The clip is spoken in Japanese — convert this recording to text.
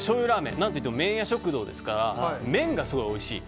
何といっても麺や食堂ですから麺がすごいおいしい。